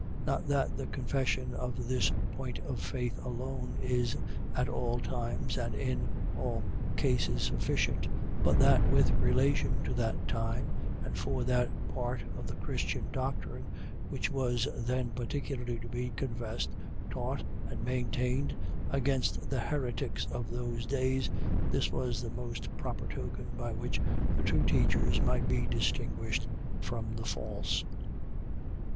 .Not that the confession of this point of faith alone, is, at all times, and in all cases, sufficient; but that with relation to that time, and for that part of the Christian doctrine, which was then particularly to be confessed, taught, and maintained against the heretics of those days, this was the most proper token, by which the true teachers might be distinguished form the false.